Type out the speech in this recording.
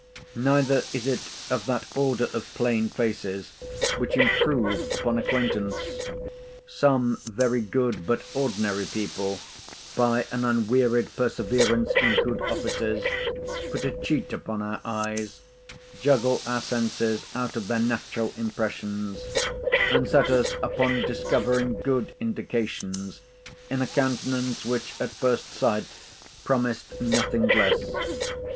Neither is it of that order of plain faces which improve upon acquaintance. Some very good but ordinary people, by an unwearied perseverance in good offices, put a cheat upon our eyes: juggle our senses out of their natural impressions; and set us upon discovering good indications in a countenance, which at first sight promised nothing less.